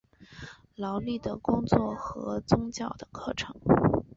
劳力的工作和宗教的课程。